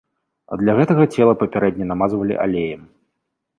Для гэтага цела папярэдне намазвалі алеем.